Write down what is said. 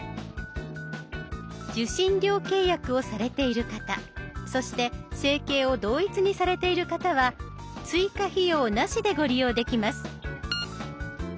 受信料契約をされている方そして生計を同一にされている方は追加費用なしでご利用できます。